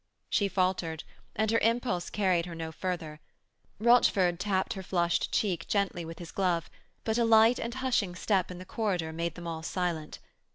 She faltered, and her impulse carried her no further. Rochford tapped her flushed cheek gently with his glove, but a light and hushing step in the corridor made them all silent.